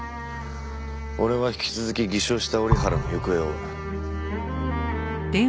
俺は引き続き偽証した折原の行方を追う。